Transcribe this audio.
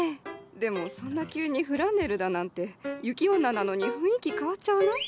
でもそんな急にフランネルだなんて雪女なのに雰囲気変わっちゃわない？